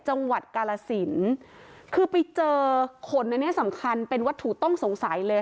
จังหวัดกาลสินคือไปเจอขนอันนี้สำคัญเป็นวัตถุต้องสงสัยเลย